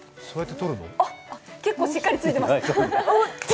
あっ、結構しっかりついてますね。